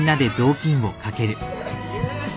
よし。